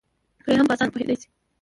پرې هم په اسانه پوهېدی شي